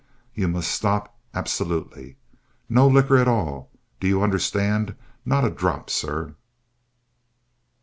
You must stop absolutely. No liquor at all. Do you understand? Not a drop, sir.